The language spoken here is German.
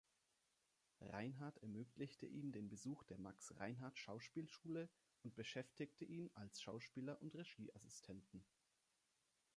Reinhardt ermöglichte ihm den Besuch der Max-Reinhardt-Schauspielschule und beschäftigte ihn als Schauspieler und Regieassistenten.